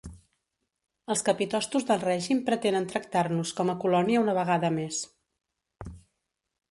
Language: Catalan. Els capitostos del règim pretenen tractar-nos com a colònia una vegada més.